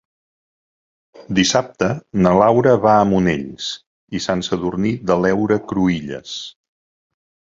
Dissabte na Laura va a Monells i Sant Sadurní de l'Heura Cruïlles.